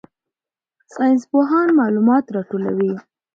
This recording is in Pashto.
ساینسپوهان معلومات راټولوي.